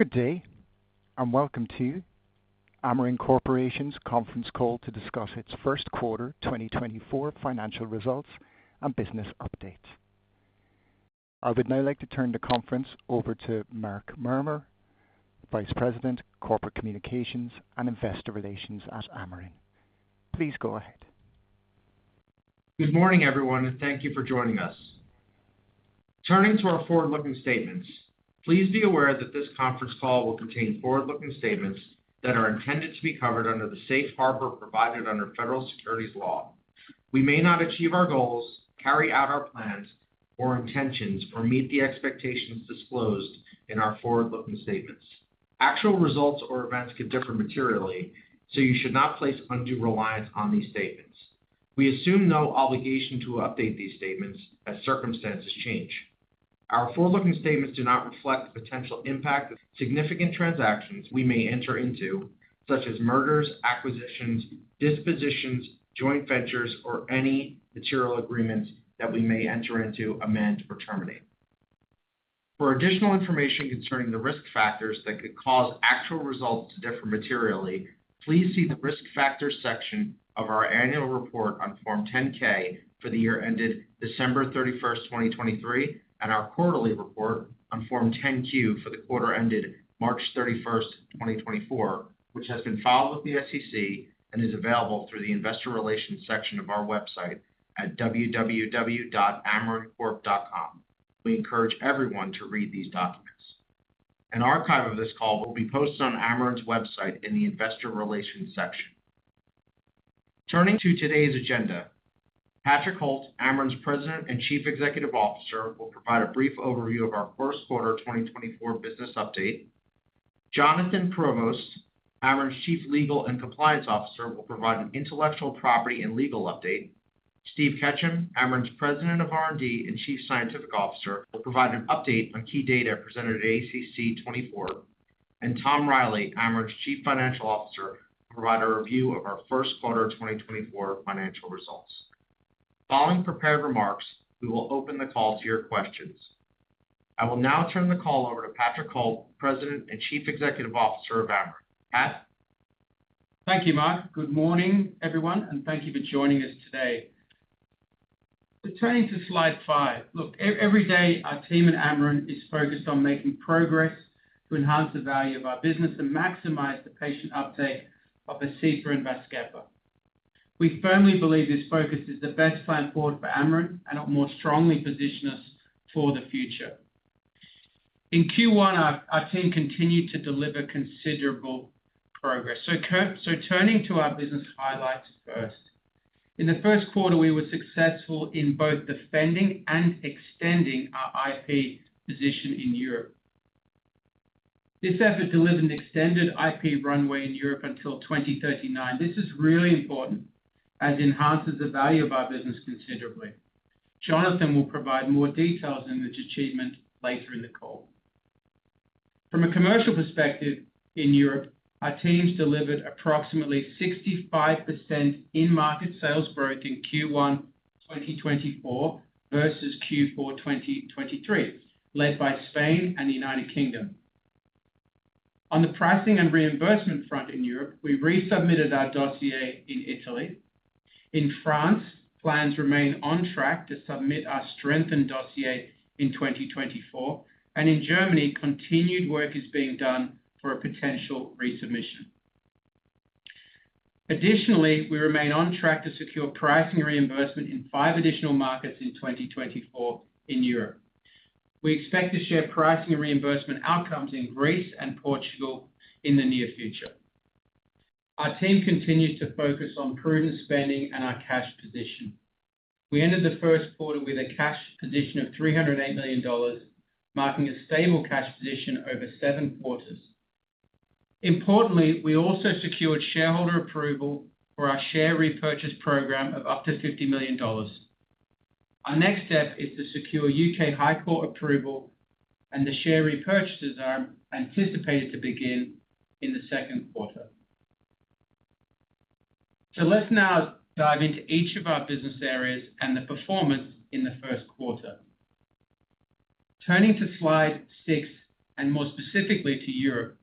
Good day, and welcome to Amarin Corporation's conference call to discuss its first quarter 2024 financial results and business update. I would now like to turn the conference over to Mark Marmur, Vice President, Corporate Communications and Investor Relations at Amarin. Please go ahead. Good morning, everyone, and thank you for joining us. Turning to our forward-looking statements, please be aware that this conference call will contain forward-looking statements that are intended to be covered under the safe harbor provided under federal securities law. We may not achieve our goals, carry out our plans or intentions, or meet the expectations disclosed in our forward-looking statements. Actual results or events could differ materially, so you should not place undue reliance on these statements. We assume no obligation to update these statements as circumstances change. Our forward-looking statements do not reflect the potential impact of significant transactions we may enter into, such as mergers, acquisitions, dispositions, joint ventures, or any material agreements that we may enter into, amend, or terminate. For additional information concerning the risk factors that could cause actual results to differ materially, please see the Risk Factors section of our Annual Report on Form 10-K for the year ended December 31, 2023, and our Quarterly Report on Form 10-Q for the quarter ended March 31, 2024, which has been filed with the SEC and is available through the Investor Relations section of our website at www.amarincorp.com. We encourage everyone to read these documents. An archive of this call will be posted on Amarin's website in the Investor Relations section. Turning to today's agenda, Patrick Holt, Amarin's President and Chief Executive Officer, will provide a brief overview of our first quarter 2024 business update. Jonathan Traverse, Amarin's Chief Legal and Compliance Officer, will provide an intellectual property and legal update. Steve Ketchum, Amarin's President of R&D and Chief Scientific Officer, will provide an update on key data presented at ACC.24, and Tom Reilly, Amarin's Chief Financial Officer, will provide a review of our first quarter 2024 financial results. Following prepared remarks, we will open the call to your questions. I will now turn the call over to Patrick Holt, President and Chief Executive Officer of Amarin. Pat? Thank you, Mark. Good morning, everyone, and thank you for joining us today. Turning to slide 5. Look, every day our team at Amarin is focused on making progress to enhance the value of our business and maximize the patient uptake of Vascepa and Vazkepa. We firmly believe this focus is the best plan forward for Amarin and it more strongly position us for the future. In Q1, our team continued to deliver considerable progress. So turning to our business highlights first. In the first quarter, we were successful in both defending and extending our IP position in Europe. This effort delivered an extended IP runway in Europe until 2039. This is really important as it enhances the value of our business considerably. Jonathan will provide more details on this achievement later in the call. From a commercial perspective in Europe, our teams delivered approximately 65% in-market sales growth in Q1 2024 versus Q4 2023, led by Spain and the United Kingdom. On the pricing and reimbursement front in Europe, we resubmitted our dossier in Italy. In France, plans remain on track to submit our strengthened dossier in 2024, and in Germany, continued work is being done for a potential resubmission. Additionally, we remain on track to secure pricing reimbursement in five additional markets in 2024 in Europe. We expect to share pricing and reimbursement outcomes in Greece and Portugal in the near future. Our team continued to focus on prudent spending and our cash position. We ended the first quarter with a cash position of $308 million, marking a stable cash position over seven quarters. Importantly, we also secured shareholder approval for our share repurchase program of up to $50 million. Our next step is to secure U.K. High Court approval, and the share repurchases are anticipated to begin in the second quarter. So let's now dive into each of our business areas and the performance in the first quarter. Turning to slide 6, and more specifically to Europe.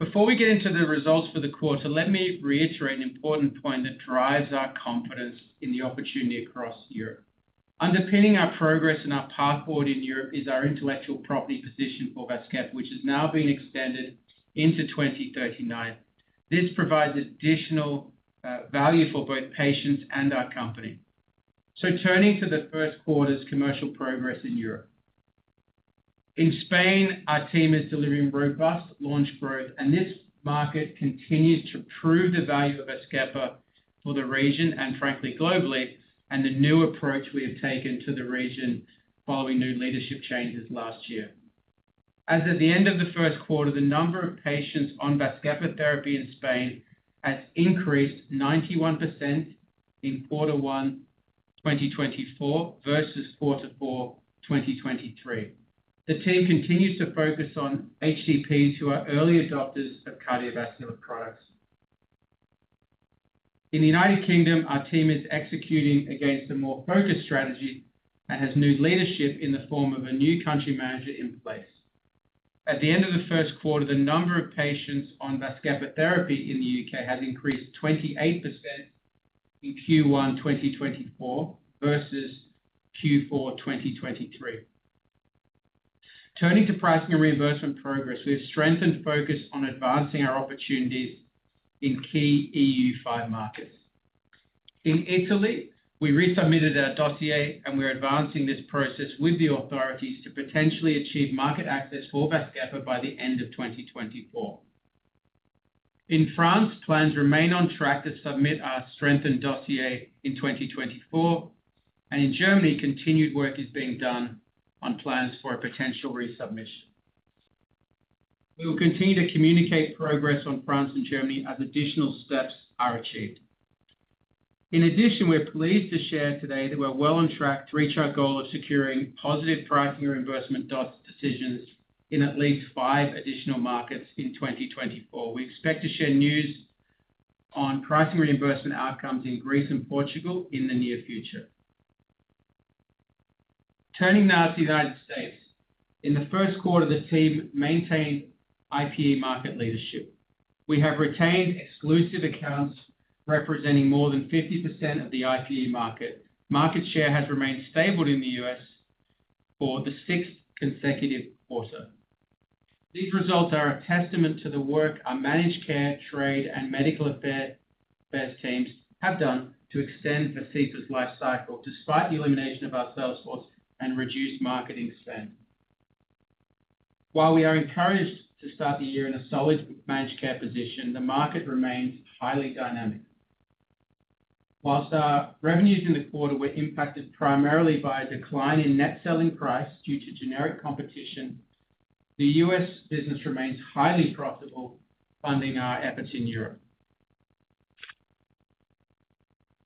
Before we get into the results for the quarter, let me reiterate an important point that drives our confidence in the opportunity across Europe. Underpinning our progress and our path forward in Europe is our Intellectual Property position for Vazkepa, which has now been extended into 2039. This provides additional value for both patients and our company. So turning to the first quarter's commercial progress in Europe. In Spain, our team is delivering robust launch growth, and this market continues to prove the value of Vazkepa for the region and frankly, globally, and the new approach we have taken to the region following new leadership changes last year. As at the end of the first quarter, the number of patients on Vazkepa therapy in Spain has increased 91% in Q1 2024 versus Q4 2023. The team continues to focus on HCPs who are early adopters of cardiovascular products. In the United Kingdom, our team is executing against a more focused strategy and has new leadership in the form of a new country manager in place. At the end of the first quarter, the number of patients on Vazkepa therapy in the U.K. has increased 28% in Q1 2024 versus Q4 2023. Turning to pricing and reimbursement progress, we've strengthened focus on advancing our opportunities in key EU5 markets. In Italy, we resubmitted our dossier, and we're advancing this process with the authorities to potentially achieve market access for Vazkepa by the end of 2024. In France, plans remain on track to submit our strengthened dossier in 2024, and in Germany, continued work is being done on plans for a potential resubmission. We will continue to communicate progress on France and Germany as additional steps are achieved. In addition, we're pleased to share today that we're well on track to reach our goal of securing positive pricing reimbursement decisions in at least five additional markets in 2024. We expect to share news on pricing reimbursement outcomes in Greece and Portugal in the near future. Turning now to the United States. In the first quarter, the team maintained IPE market leadership. We have retained exclusive accounts representing more than 50% of the IPE market. Market share has remained stable in the U.S. for the sixth consecutive quarter. These results are a testament to the work our managed care, trade, and medical affairs teams have done to extend Vascepa's life cycle, despite the elimination of our sales force and reduced marketing spend. While we are encouraged to start the year in a solid managed care position, the market remains highly dynamic. While our revenues in the quarter were impacted primarily by a decline in net selling price due to generic competition, the U.S. business remains highly profitable, funding our efforts in Europe.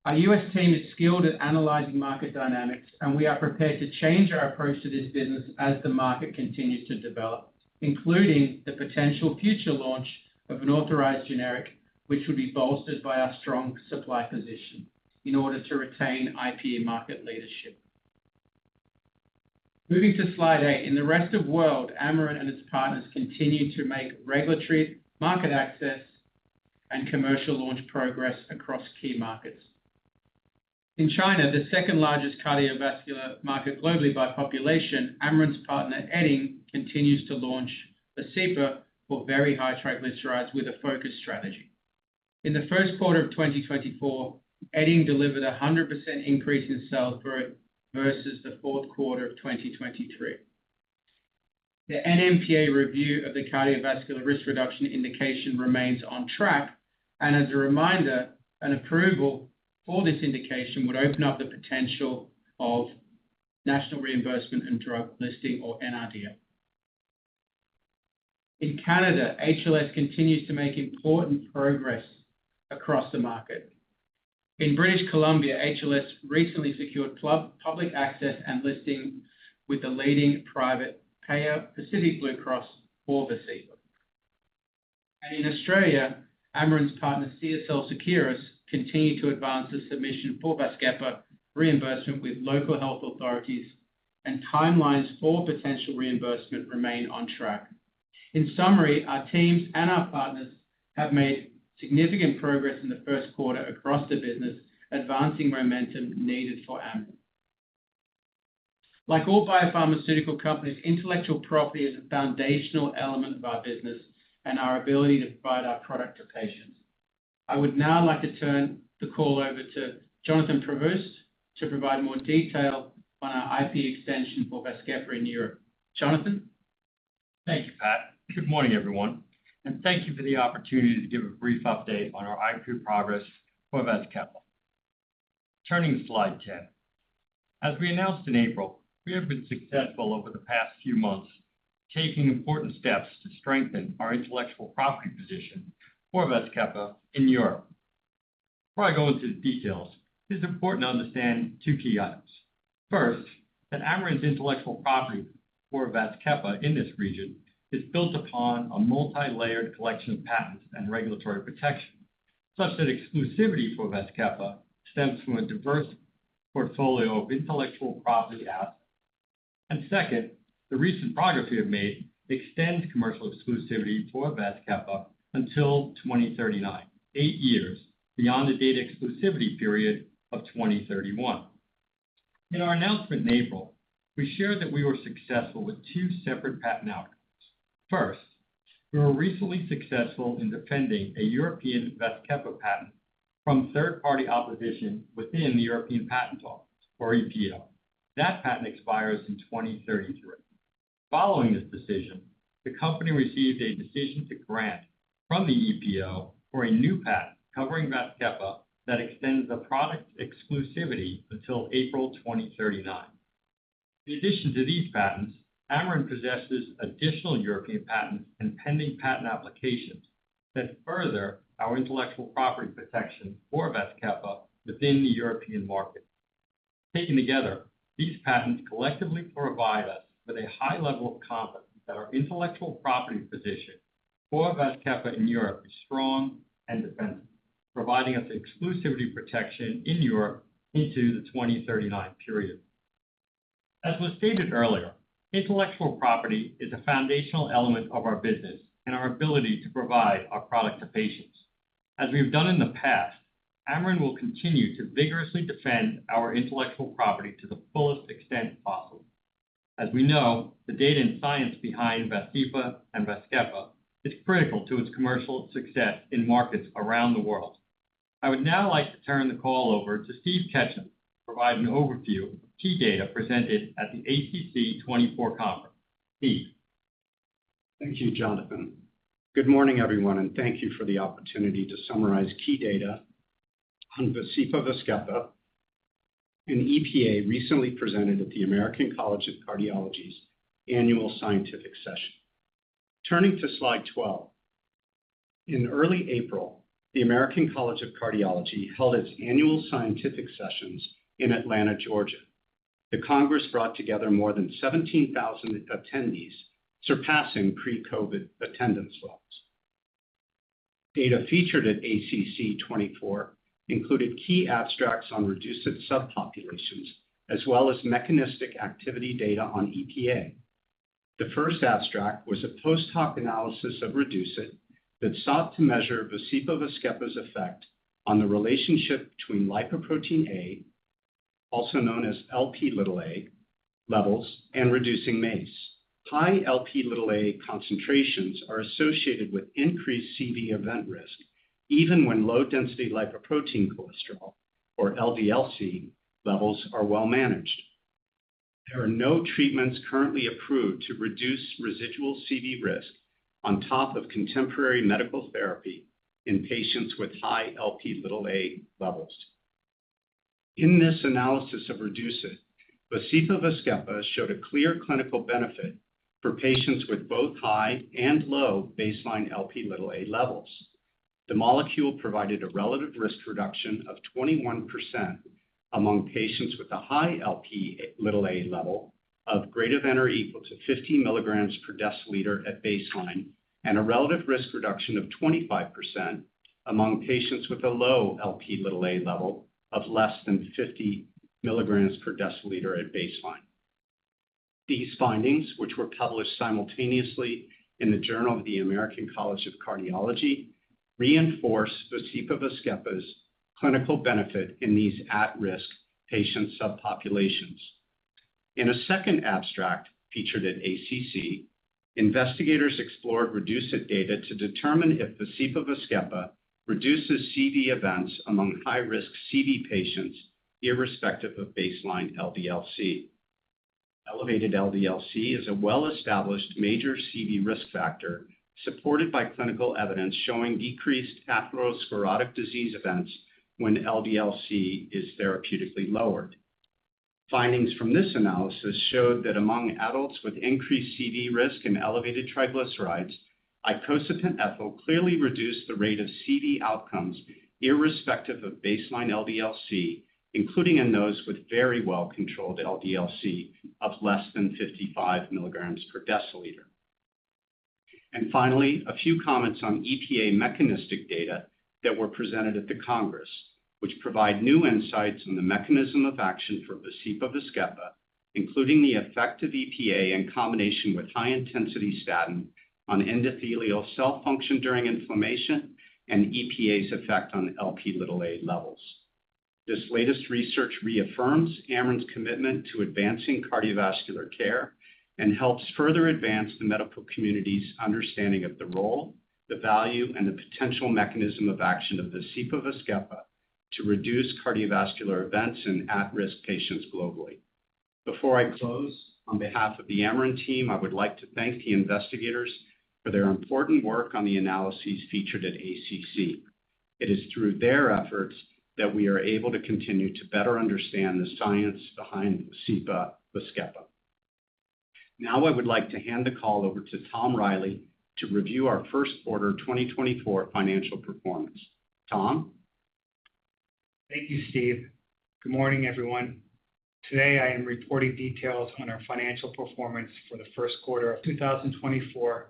Our U.S. team is skilled at analyzing market dynamics, and we are prepared to change our approach to this business as the market continues to develop, including the potential future launch of an authorized generic, which would be bolstered by our strong supply position in order to retain IPE market market leadership. Moving to slide 8. In the rest of world, Amarin and its partners continue to make regulatory market access and commercial launch progress across key markets. In China, the second-largest cardiovascular market globally by population, Amarin's partner, Edding, continues to launch Vascepa for very high triglyceride with a focus strategy. In the first quarter of 2024, Edding delivered a 100% increase in sales growth versus the fourth quarter of 2023. The NMPA review of the cardiovascular risk reduction indication remains on track, and as a reminder, an approval for this indication would open up the potential of national reimbursement and drug listing or NRDL. In Canada, HLS continues to make important progress across the market. In British Columbia, HLS recently secured public access and listing with the leading private payer, Pacific Blue Cross, for Vascepa. And in Australia, Amarin's partner, CSL Seqirus, continued to advance the submission for Vazkepa reimbursement with local health authorities, and timelines for potential reimbursement remain on track. In summary, our teams and our partners have made significant progress in the first quarter across the business, advancing momentum needed for Amarin. Like all biopharmaceutical companies, intellectual property is a foundational element of our business and our ability to provide our product to patients. I would now like to turn the call over to Jonathan Traverse to provide more detail on our IP extension for Vazkepa in Europe. Jonathan? Thank you, Pat. Good morning, everyone, and thank you for the opportunity to give a brief update on our IP progress for Vazkepa. Turning to slide 10. As we announced in April, we have been successful over the past few months, taking important steps to strengthen our intellectual property position for Vazkepa in Europe. Before I go into the details, it's important to understand 2 key items. First, that Amarin's intellectual property for Vazkepa in this region is built upon a multilayered collection of patents and regulatory protection, such that exclusivity for Vazkepa stems from a diverse portfolio of intellectual property assets. Second, the recent progress we have made extends commercial exclusivity for Vazkepa until 2039, 8 years beyond the data exclusivity period of 2031. In our announcement in April, we shared that we were successful with 2 separate patent outcomes. First, we were recently successful in defending a European Vazkepa patent from third-party opposition within the European Patent Office, or EPO. That patent expires in 2033. Following this decision, the company received a decision to grant from the EPO for a new patent covering Vazkepa that extends the product exclusivity until April 2039. In addition to these patents, Amarin possesses additional European patents and pending patent applications that further our intellectual property protection for Vazkepa within the European market.... Taken together, these patents collectively provide us with a high level of confidence that our intellectual property position for Vazkepa in Europe is strong and dependent, providing us exclusivity protection in Europe into the 2039 period. As was stated earlier, intellectual property is a foundational element of our business and our ability to provide our product to patients. As we've done in the past, Amarin will continue to vigorously defend our intellectual property to the fullest extent possible. As we know, the data and science behind Vascepa and Vazkepa is critical to its commercial success in markets around the world. I would now like to turn the call over to Steve Ketchum, to provide an overview of key data presented at the ACC.24 Conference. Steve? Thank you, Jonathan. Good morning, everyone, and thank you for the opportunity to summarize key data on Vascepa Vazkepa and EPA recently presented at the American College of Cardiology's Annual Scientific Session. Turning to slide 12. In early April, the American College of Cardiology held its annual scientific sessions in Atlanta, Georgia. The Congress brought together more than 17,000 attendees, surpassing pre-COVID attendance levels. Data featured at ACC.24 included key abstracts on REDUCE-IT subpopulations, as well as mechanistic activity data on EPA. The first abstract was a post hoc analysis of REDUCE-IT that sought to measure Vascepa Vazkepa's effect on the relationship between lipoprotein(a), also known as Lp(a), levels, and reducing MACE. High Lp(a) concentrations are associated with increased CV event risk, even when low-density lipoprotein cholesterol or LDL-C levels are well managed. There are no treatments currently approved to reduce residual CV risk on top of contemporary medical therapy in patients with high Lp(a) levels. In this analysis of REDUCE-IT, Vascepa Vazkepa showed a clear clinical benefit for patients with both high and low baseline Lp(a) levels. The molecule provided a relative risk reduction of 21% among patients with a high Lp(a) level of greater than or equal to 50 mg/dL at baseline, and a relative risk reduction of 25% among patients with a low Lp(a) level of less than 50 mg/dL at baseline. These findings, which were published simultaneously in the Journal of the American College of Cardiology, reinforce Vascepa Vazkepa's clinical benefit in these at-risk patient subpopulations. In a second abstract featured at ACC, investigators explored REDUCE-IT data to determine if Vascepa Vazkepa reduces CV events among high-risk CV patients, irrespective of baseline LDL-C. Elevated LDL-C is a well-established major CV risk factor, supported by clinical evidence showing decreased atherosclerotic disease events when LDL-C is therapeutically lowered. Findings from this analysis showed that among adults with increased CV risk and elevated triglycerides, icosapent ethyl clearly reduced the rate of CV outcomes, irrespective of baseline LDL-C, including in those with very well-controlled LDL-C of less than 55 milligrams per deciliter. And finally, a few comments on EPA mechanistic data that were presented at the Congress, which provide new insights on the mechanism of action for Vascepa Vazkepa, including the effect of EPA in combination with high-intensity statin on endothelial cell function during inflammation and EPA's effect on Lp(a) levels. This latest research reaffirms Amarin's commitment to advancing cardiovascular care and helps further advance the medical community's understanding of the role, the value, and the potential mechanism of action of Vascepa Vazkepa to reduce cardiovascular events in at-risk patients globally. Before I close, on behalf of the Amarin team, I would like to thank the investigators for their important work on the analyses featured at ACC. It is through their efforts that we are able to continue to better understand the science behind Vascepa Vazkepa. Now, I would like to hand the call over to Tom Reilly to review our first quarter 2024 financial performance. Tom? Thank you, Steve. Good morning, everyone. Today, I am reporting details on our financial performance for the first quarter of 2024.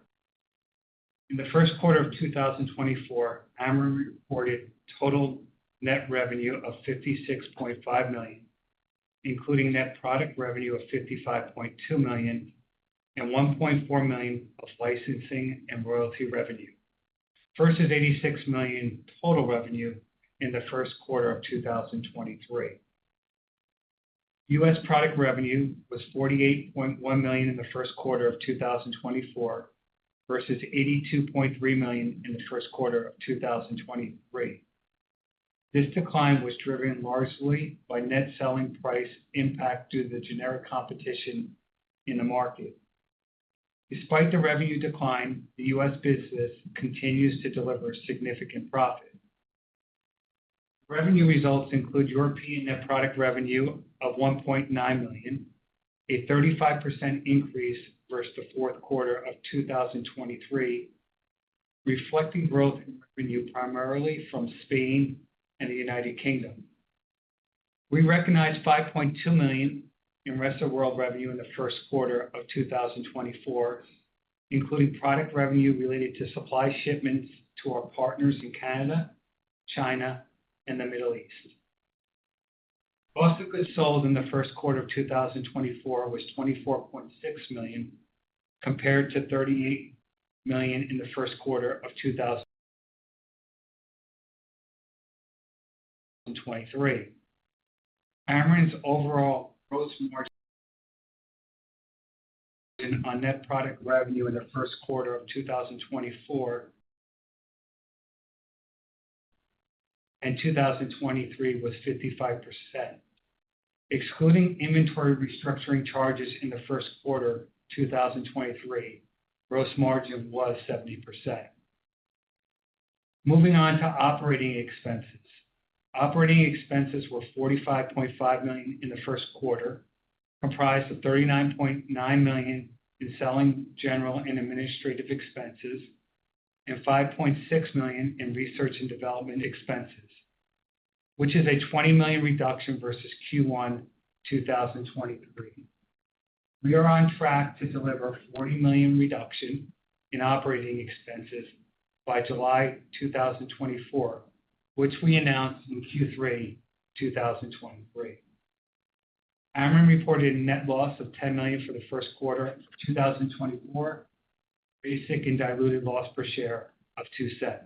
In the first quarter of 2024, Amarin reported total net revenue of $56.5 million, including net product revenue of $55.2 million and $1.4 million of licensing and royalty revenue, versus $86 million total revenue in the first quarter of 2023. U.S. product revenue was $48.1 million in the first quarter of 2024, versus $82.3 million in the first quarter of 2023. This decline was driven largely by net selling price impact due to the generic competition in the market. Despite the revenue decline, the U.S. business continues to deliver significant profit. Revenue results include European net product revenue of $1.9 million, a 35% increase versus the fourth quarter of 2023.... reflecting growth in revenue primarily from Spain and the United Kingdom. We recognized $5.2 million in rest of world revenue in the first quarter of 2024, including product revenue related to supply shipments to our partners in Canada, China, and the Middle East. Cost of goods sold in the first quarter of 2024 was $24.6 million, compared to $38 million in the first quarter of 2023. Amarin's overall gross margin on net product revenue in the first quarter of 2024 and 2023 was 55%. Excluding inventory restructuring charges in the first quarter 2023, gross margin was 70%. Moving on to operating expenses. Operating expenses were $45.5 million in the first quarter, comprised of $39.9 million in selling, general, and administrative expenses, and $5.6 million in research and development expenses, which is a $20 million reduction versus Q1 2023. We are on track to deliver $40 million reduction in operating expenses by July 2024, which we announced in Q3 2023. Amarin reported a net loss of $10 million for the first quarter of 2024, basic and diluted loss per share of $0.02.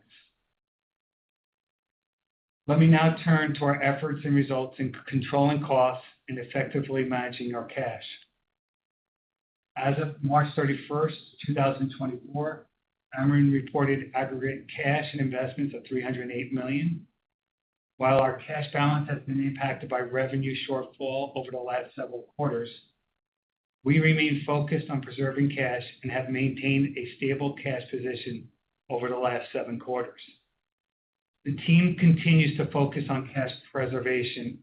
Let me now turn to our efforts and results in controlling costs and effectively managing our cash. As of March 31, 2024, Amarin reported aggregate cash and investments of $308 million. While our cash balance has been impacted by revenue shortfall over the last several quarters, we remain focused on preserving cash and have maintained a stable cash position over the last seven quarters. The team continues to focus on cash preservation,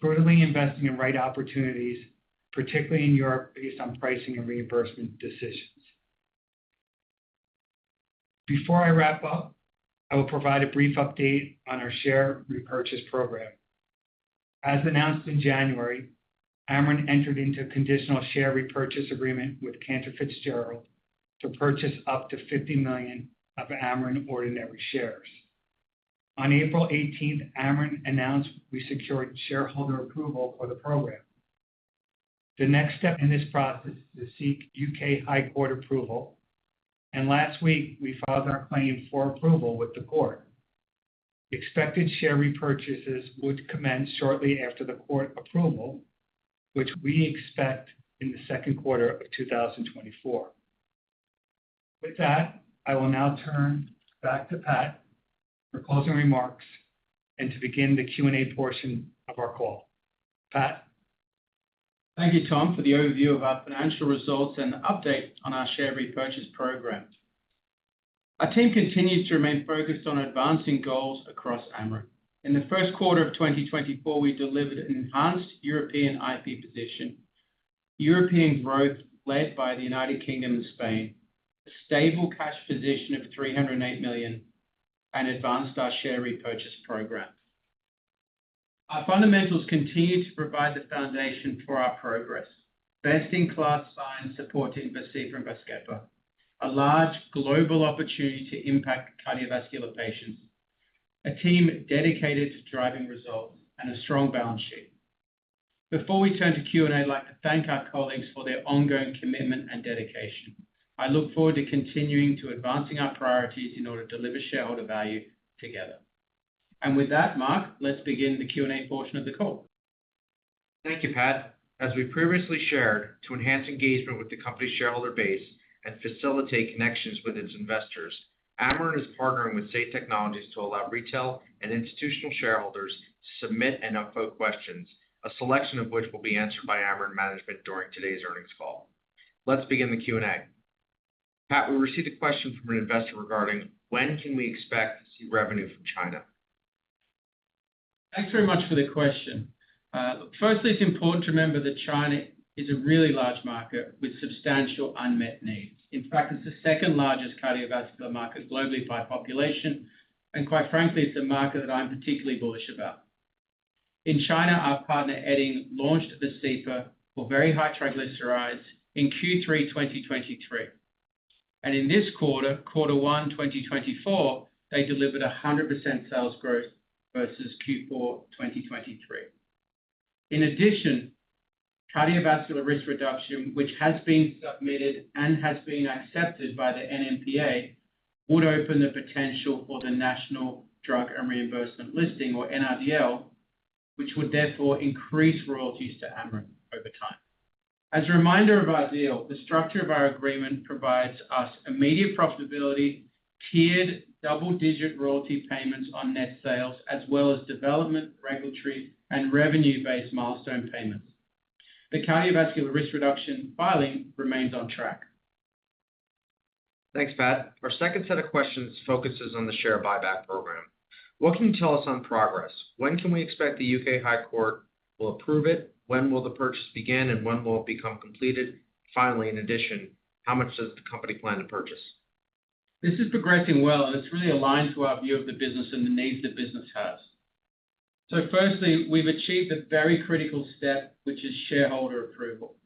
thoroughly investing in right opportunities, particularly in Europe, based on pricing and reimbursement decisions. Before I wrap up, I will provide a brief update on our share repurchase program. As announced in January, Amarin entered into a conditional share repurchase agreement with Cantor Fitzgerald to purchase up to 50 million of Amarin ordinary shares. On April 18th, Amarin announced we secured shareholder approval for the program. The next step in this process is to seek U.K. High Court approval, and last week, we filed our claim for approval with the court. Expected share repurchases would commence shortly after the court approval, which we expect in the second quarter of 2024. With that, I will now turn back to Pat for closing remarks and to begin the Q&A portion of our call. Pat? Thank you, Tom, for the overview of our financial results and the update on our share repurchase program. Our team continues to remain focused on advancing goals across Amarin. In the first quarter of 2024, we delivered an enhanced European IP position, European growth led by the United Kingdom and Spain, a stable cash position of $308 million, and advanced our share repurchase program. Our fundamentals continue to provide the foundation for our progress. Best-in-class science supporting Vascepa and Vazkepa, a large global opportunity to impact cardiovascular patients, a team dedicated to driving results, and a strong balance sheet. Before we turn to Q&A, I'd like to thank our colleagues for their ongoing commitment and dedication. I look forward to continuing to advancing our priorities in order to deliver shareholder value together. With that, Mark, let's begin the Q&A portion of the call. Thank you, Pat. As we previously shared, to enhance engagement with the company's shareholder base and facilitate connections with its investors, Amarin is partnering with Say Technologies to allow retail and institutional shareholders to submit and upvote questions, a selection of which will be answered by Amarin management during today's earnings call. Let's begin the Q&A. Pat, we received a question from an investor regarding: When can we expect to see revenue from China? Thanks very much for the question. Firstly, it's important to remember that China is a really large market with substantial unmet needs. In fact, it's the second-largest cardiovascular market globally by population, and quite frankly, it's a market that I'm particularly bullish about. In China, our partner, Edding, launched Vascepa for very high triglycerides in Q3 2023. In this quarter, Q1 2024, they delivered 100% sales growth versus Q4 2023. In addition, cardiovascular risk reduction, which has been submitted and has been accepted by the NMPA, would open the potential for the National Reimbursement Drug List, or NRDL, which would therefore increase royalties to Amarin over time. As a reminder of our deal, the structure of our agreement provides us immediate profitability, tiered double-digit royalty payments on net sales, as well as development, regulatory, and revenue-based milestone payments. The cardiovascular risk reduction filing remains on track. Thanks, Pat. Our second set of questions focuses on the share buyback program. What can you tell us on progress? When can we expect the U.K. High Court will approve it, when will the purchase begin, and when will it become completed? Finally, in addition, how much does the company plan to purchase? This is progressing well, and it's really aligned to our view of the business and the needs the business has. So firstly, we've achieved a very critical step, which is shareholder approval.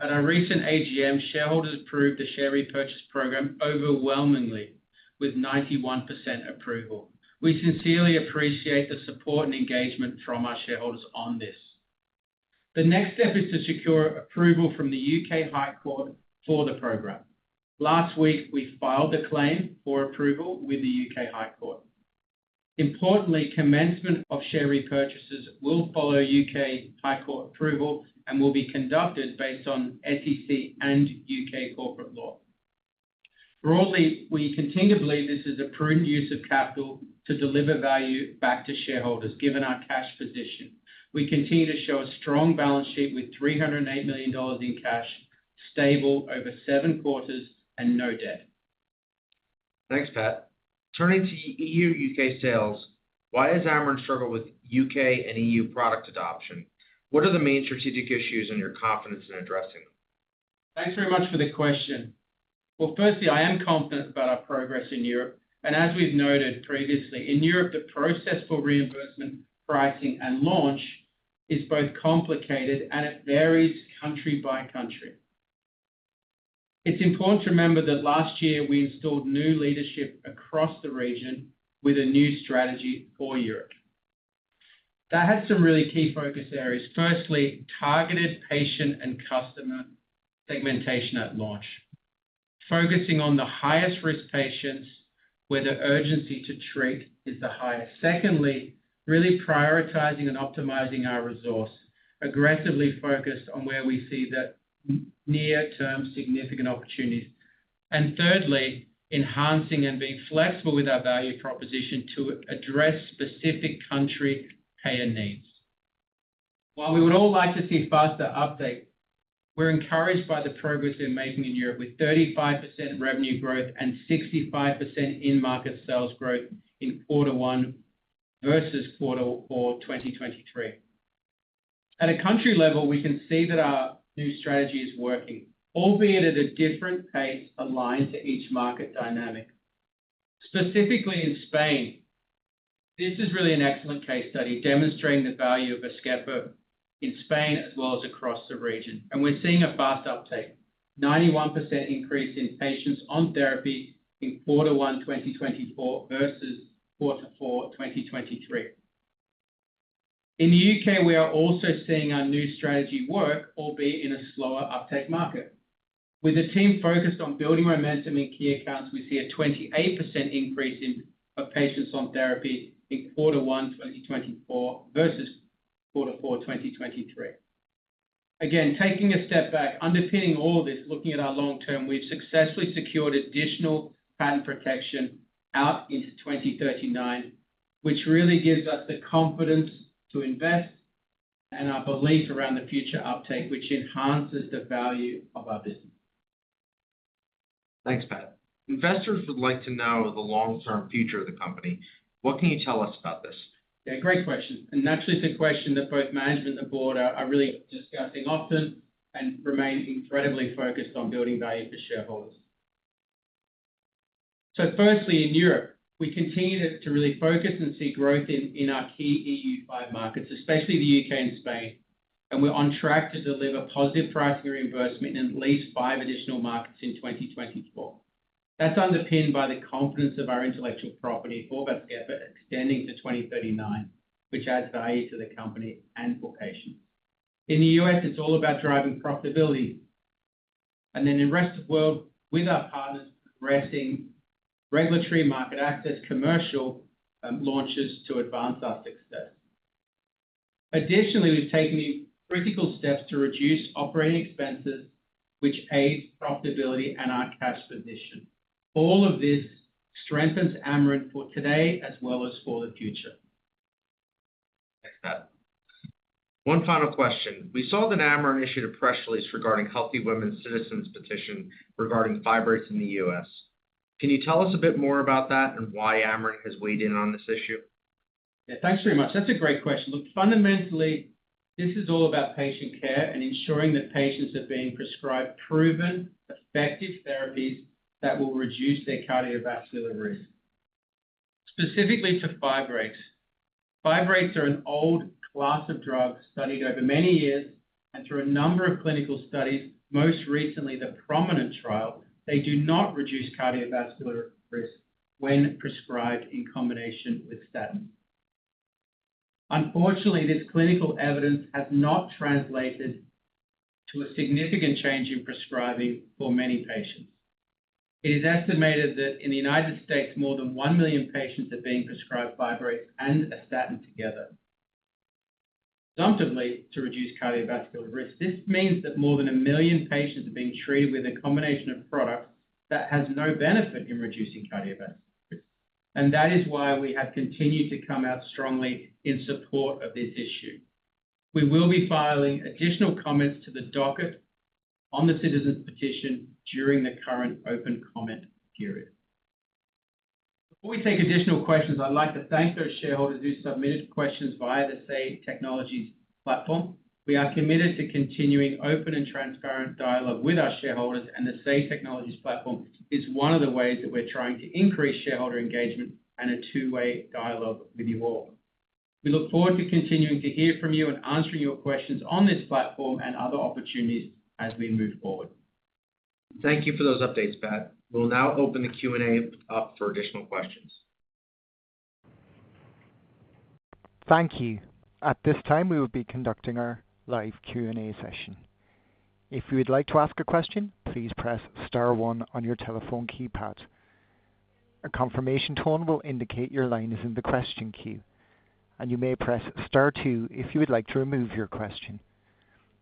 At our recent AGM, shareholders approved the share repurchase program overwhelmingly, with 91% approval. We sincerely appreciate the support and engagement from our shareholders on this. The next step is to secure approval from the U.K. High Court for the program. Last week, we filed a claim for approval with the U.K. High Court. Importantly, commencement of share repurchases will follow U.K. High Court approval and will be conducted based on SEC and U.K. corporate law. Broadly, we continue to believe this is a prudent use of capital to deliver value back to shareholders, given our cash position. We continue to show a strong balance sheet with $308 million in cash, stable over seven quarters and no debt. Thanks, Pat. Turning to EU, U.K. sales, why has Amarin struggled with U.K. and EU product adoption? What are the main strategic issues and your confidence in addressing them? Thanks very much for the question. Well, firstly, I am confident about our progress in Europe, and as we've noted previously, in Europe, the process for reimbursement, pricing, and launch is both complicated and it varies country by country. It's important to remember that last year we installed new leadership across the region with a new strategy for Europe. That had some really key focus areas. Firstly, targeted patient and customer segmentation at launch, focusing on the highest-risk patients, where the urgency to treat is the highest. Secondly, really prioritizing and optimizing our resource, aggressively focused on where we see the near-term significant opportunities. And thirdly, enhancing and being flexible with our value proposition to address specific country payer needs. While we would all like to see faster uptake, we're encouraged by the progress we're making in Europe, with 35% revenue growth and 65% in-market sales growth in quarter one versus quarter four, 2023. At a country level, we can see that our new strategy is working, albeit at a different pace, aligned to each market dynamic. Specifically in Spain, this is really an excellent case study, demonstrating the value of Vazkepa in Spain as well as across the region, and we're seeing a fast uptake. 91% increase in patients on therapy in quarter one, 2024 versus quarter four, 2023. In the U.K., we are also seeing our new strategy work, albeit in a slower uptake market. With the team focused on building momentum in key accounts, we see a 28% increase in the number of patients on therapy in quarter one, 2024 versus quarter four, 2023. Again, taking a step back, underpinning all of this, looking at our long term, we've successfully secured additional patent protection out into 2039, which really gives us the confidence to invest in our belief around the future uptake, which enhances the value of our business. Thanks, Pat. Investors would like to know the long-term future of the company. What can you tell us about this? Yeah, great question, and that's actually a question that both management and the board are really discussing often and remain incredibly focused on building value for shareholders. So firstly, in Europe, we continue to really focus and see growth in our key EU5 markets, especially the U.K. and Spain. And we're on track to deliver positive pricing reimbursement in at least five additional markets in 2024. That's underpinned by the confidence of our intellectual property for Vazkepa, extending to 2039, which adds value to the company and for patients. In the U.S., it's all about driving profitability. And then in the rest of world, with our partners, progressing regulatory market access, commercial, and launches to advance our success. Additionally, we've taken critical steps to reduce operating expenses, which aids profitability and our cash position. All of this strengthens Amarin for today as well as for the future. Thanks, Pat. One final question: We saw that Amarin issued a press release regarding HealthyWomen citizens petition regarding fibrates in the U.S. Can you tell us a bit more about that and why Amarin has weighed in on this issue? Yeah. Thanks very much. That's a great question. Look, fundamentally, this is all about patient care and ensuring that patients are being prescribed proven, effective therapies that will reduce their cardiovascular risk. Specifically to fibrates, fibrates are an old class of drugs, studied over many years and through a number of clinical studies, most recently, the PROMINENT trial. They do not reduce cardiovascular risk when prescribed in combination with statin. Unfortunately, this clinical evidence has not translated to a significant change in prescribing for many patients. It is estimated that in the United States, more than 1 million patients are being prescribed fibrates and a statin together, presumptively, to reduce cardiovascular risk. This means that more than 1 million patients are being treated with a combination of products that has no benefit in reducing cardiovascular risk. That is why we have continued to come out strongly in support of this issue. We will be filing additional comments to the docket on the citizens petition during the current open comment period. Before we take additional questions, I'd like to thank those shareholders who submitted questions via the Say Technologies platform. We are committed to continuing open and transparent dialogue with our shareholders, and the Say Technologies platform is one of the ways that we're trying to increase shareholder engagement and a two-way dialogue with you all. We look forward to continuing to hear from you and answering your questions on this platform and other opportunities as we move forward. Thank you for those updates, Pat. We'll now open the Q&A up for additional questions. Thank you. At this time, we will be conducting our live Q&A session. If you would like to ask a question, please press star one on your telephone keypad. A confirmation tone will indicate your line is in the question queue, and you may press star two if you would like to remove your question.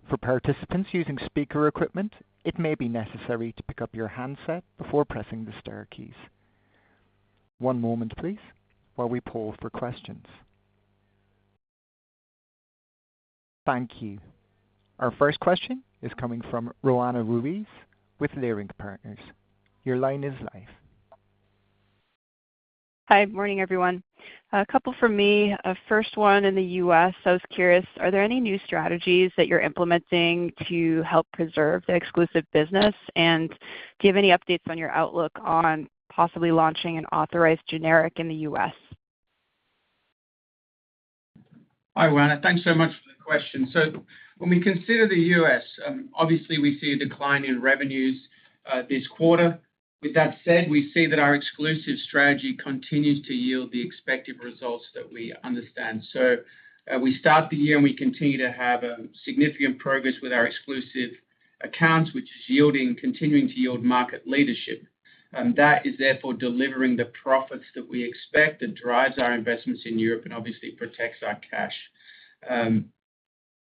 For participants using speaker equipment, it may be necessary to pick up your handset before pressing the star keys. One moment please, while we poll for questions. Thank you. Our first question is coming from Roanna Ruiz with Leerink Partners. Your line is live. Hi, morning, everyone. A couple from me. First one in the US, I was curious, are there any new strategies that you're implementing to help preserve the exclusive business? And do you have any updates on your outlook on possibly launching an authorized generic in the US? Hi, Roanna. Thanks so much for the question. So when we consider the U.S., obviously we see a decline in revenues this quarter. With that said, we see that our exclusive strategy continues to yield the expected results that we understand. So, we start the year, and we continue to have significant progress with our exclusive accounts, which is yielding, continuing to yield market leadership. That is therefore delivering the profits that we expect and drives our investments in Europe, and obviously protects our cash.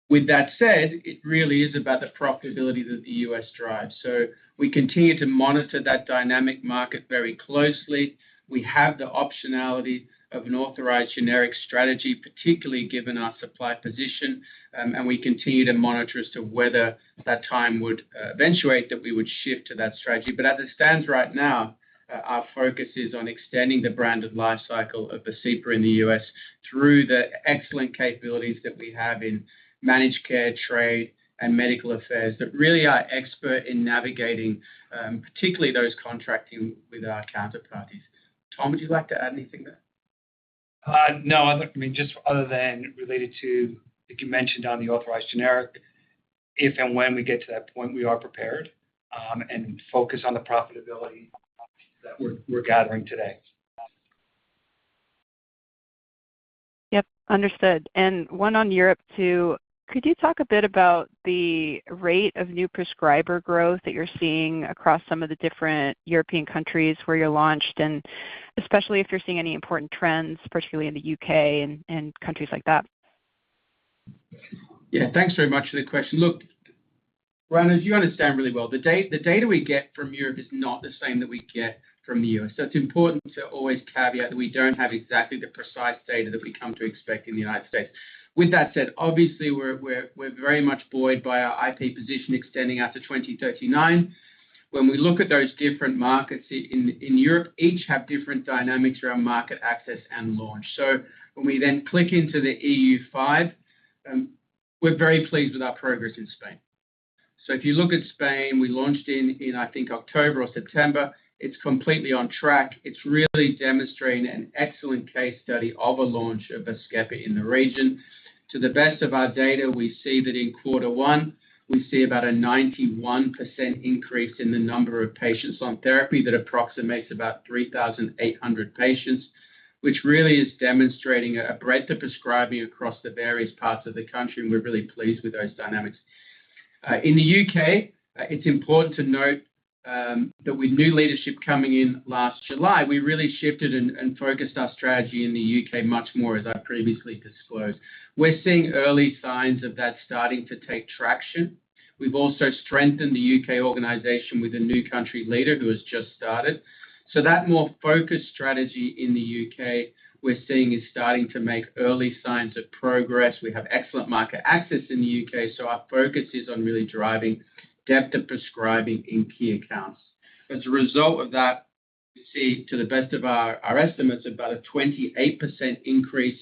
With that said, it really is about the profitability that the U.S. drives. So we continue to monitor that dynamic market very closely. We have the optionality of an authorized generic strategy, particularly given our supply position. And we continue to monitor as to whether that time would eventuate, that we would shift to that strategy. But as it stands right now, our focus is on extending the branded life cycle of Vascepa in the U.S. through the excellent capabilities that we have in managed care, trade, and medical affairs, that really are expert in navigating, particularly those contracting with our counterparties. Tom, would you like to add anything there? No, I mean, just other than related to like you mentioned on the authorized generic, if and when we get to that point, we are prepared, and focused on the profitability that we're gathering today. Yep, understood. And one on Europe, too. Could you talk a bit about the rate of new prescriber growth that you're seeing across some of the different European countries where you're launched, and especially if you're seeing any important trends, particularly in the U.K. and countries like that? Yeah. Thanks very much for the question. Look, Roanna, as you understand really well, the data we get from Europe is not the same that we get from the U.S.So it's important to always caveat that we don't have exactly the precise data that we come to expect in the United States. With that said, obviously, we're very much buoyed by our IP position extending out to 2039. When we look at those different markets in Europe, each have different dynamics around market access and launch. So when we then click into the EU5, we're very pleased with our progress in Spain. So if you look at Spain, we launched in I think October or September. It's completely on track. It's really demonstrating an excellent case study of a launch of Vazkepa in the region. To the best of our data, we see that in quarter one, we see about a 91% increase in the number of patients on therapy. That approximates about 3,800 patients, which really is demonstrating a breadth of prescribing across the various parts of the country, and we're really pleased with those dynamics. In the U.K., it's important to note that with new leadership coming in last July, we really shifted and focused our strategy in the U.K. much more, as I previously disclosed. We're seeing early signs of that starting to take traction. We've also strengthened the U.K. organization with a new country leader who has just started. So that more focused strategy in the U.K. we're seeing is starting to make early signs of progress. We have excellent market access in the U.K., so our focus is on really driving depth of prescribing in key accounts. As a result of that, we see, to the best of our estimates, about a 28% increase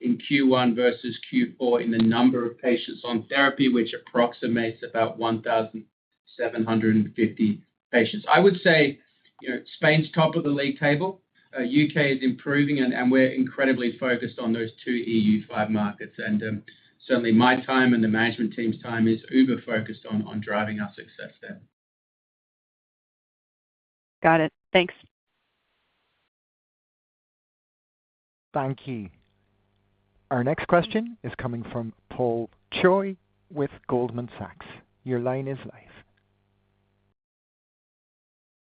in Q1 versus Q4 in the number of patients on therapy, which approximates about 1,750 patients. I would say, you know, Spain's top of the league table, U.K. is improving, and we're incredibly focused on those two EU5 markets. Certainly my time and the management team's time is uber focused on driving our success there. Got it. Thanks. Thank you. Our next question is coming from Paul Choi with Goldman Sachs. Your line is live.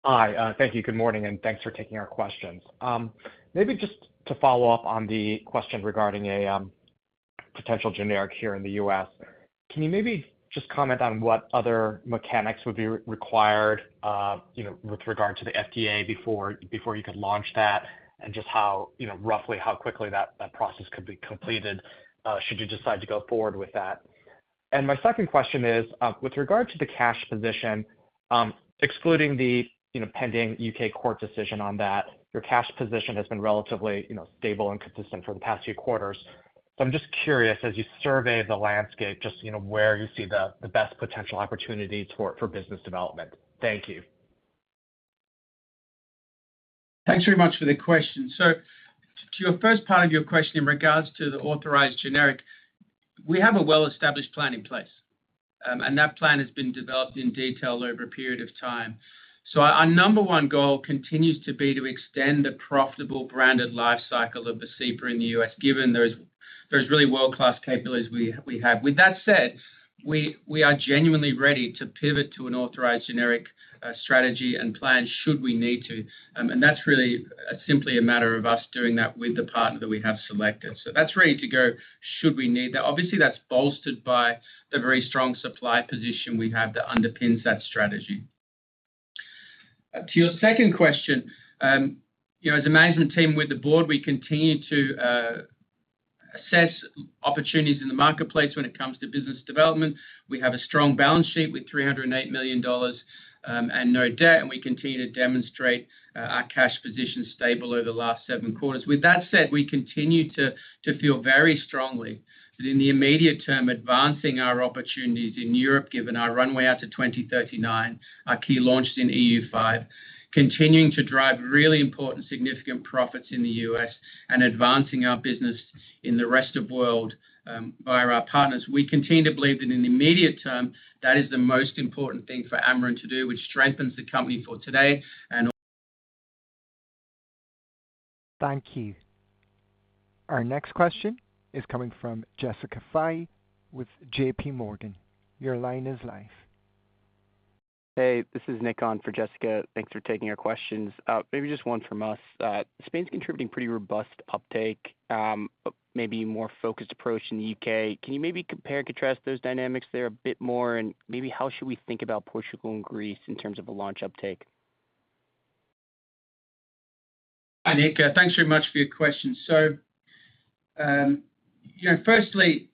Hi, thank you. Good morning, and thanks for taking our questions. Maybe just to follow up on the question regarding a potential generic here in the U.S., can you maybe just comment on what other mechanics would be required, you know, with regard to the FDA before you could launch that? And just how, you know, roughly how quickly that process could be completed, should you decide to go forward with that? And my second question is, with regard to the cash position, excluding the, you know, pending U.K. court decision on that, your cash position has been relatively, you know, stable and consistent for the past few quarters. So I'm just curious, as you survey the landscape, just you know, where you see the best potential opportunity for business development. Thank you. Thanks very much for the question. So to your first part of your question in regards to the authorized generic, we have a well-established plan in place, and that plan has been developed in detail over a period of time. So our number one goal continues to be to extend the profitable branded life cycle of Vascepa in the U.S., given those really world-class capabilities we have. With that said, we are genuinely ready to pivot to an authorized generic strategy and plan, should we need to. And that's really simply a matter of us doing that with the partner that we have selected. So that's ready to go, should we need that. Obviously, that's bolstered by the very strong supply position we have that underpins that strategy. To your second question, you know, as a management team with the board, we continue to assess opportunities in the marketplace when it comes to business development. We have a strong balance sheet with $308 million and no debt, and we continue to demonstrate our cash position stable over the last seven quarters. With that said, we continue to feel very strongly that in the immediate term, advancing our opportunities in Europe, given our runway out to 2039, our key launches in EU5, continuing to drive really important significant profits in the U.S. and advancing our business in the rest of world via our partners. We continue to believe that in the immediate term, that is the most important thing for Amarin to do, which strengthens the company for today and- Thank you. Our next question is coming from Jessica Fye with JPMorgan. Your line is live. Hey, this is Nick on for Jessica. Thanks for taking our questions. Maybe just one from us. Spain's contributing pretty robust uptake, but maybe more focused approach in the U.K. Can you maybe compare and contrast those dynamics there a bit more? And maybe how should we think about Portugal and Greece in terms of a launch uptake? Hi, Nick. Thanks very much for your question. So, you know, firstly,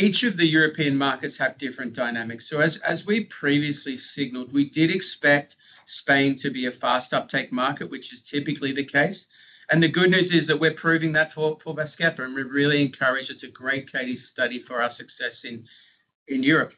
each of the European markets have different dynamics. So as we previously signaled, we did expect Spain to be a fast uptake market, which is typically the case. And the good news is that we're proving that for Vazkepa, and we're really encouraged. It's a great case study for our success in Europe.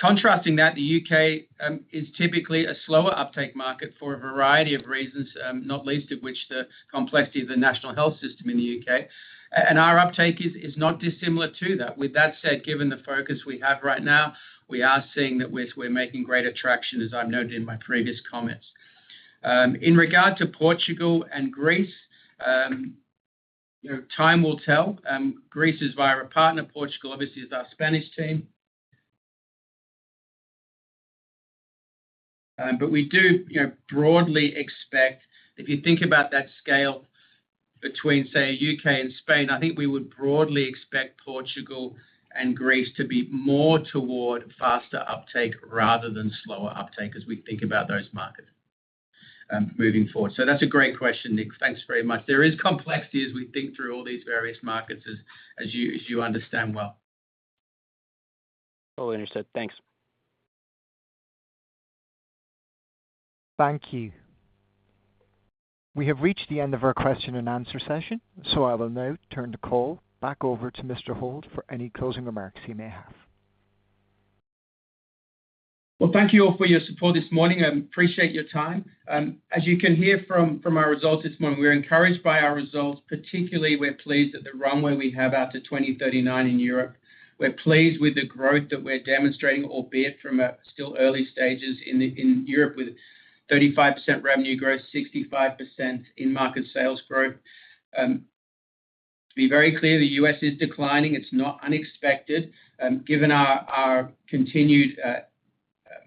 Contrasting that, the U.K. is typically a slower uptake market for a variety of reasons, not least of which, the complexity of the national health system in the U.K. And our uptake is not dissimilar to that. With that said, given the focus we have right now, we are seeing that we're making greater traction, as I've noted in my previous comments. In regard to Portugal and Greece, you know, time will tell. Greece is via a partner, Portugal obviously is our Spanish team. But we do, you know, broadly expect... If you think about that scale between, say, U.K. and Spain, I think we would broadly expect Portugal and Greece to be more toward faster uptake rather than slower uptake, as we think about those markets, moving forward. So that's a great question, Nick. Thanks very much. There is complexity as we think through all these various markets, as you understand well. Totally understood. Thanks. Thank you. We have reached the end of our question and answer session, so I will now turn the call back over to Mr. Holt for any closing remarks he may have. Well, thank you all for your support this morning. I appreciate your time. As you can hear from our results this morning, we're encouraged by our results. Particularly, we're pleased at the runway we have out to 2039 in Europe. We're pleased with the growth that we're demonstrating, albeit from a still early stages in Europe, with 35% revenue growth, 65% in market sales growth. To be very clear, the U.S. is declining. It's not unexpected. Given our continued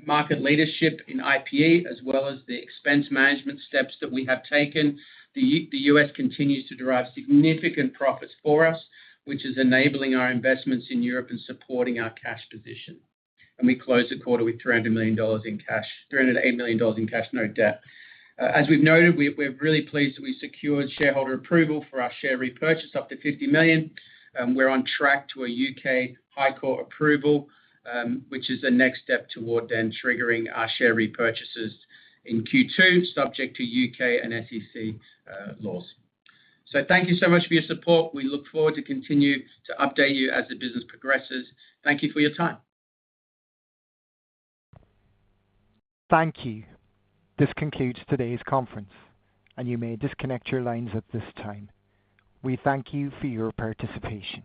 market leadership in IPE, as well as the expense management steps that we have taken, the U.S. continues to derive significant profits for us, which is enabling our investments in Europe and supporting our cash position. And we closed the quarter with $300 million in cash, $308 million in cash, no debt. As we've noted, we're really pleased that we secured shareholder approval for our share repurchase up to $50 million. We're on track to a U.K. High Court approval, which is the next step toward then triggering our share repurchases in Q2, subject to U.K. and SEC laws. So thank you so much for your support. We look forward to continue to update you as the business progresses. Thank you for your time. Thank you. This concludes today's conference, and you may disconnect your lines at this time. We thank you for your participation.